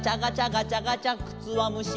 ガチャガチャくつわむし」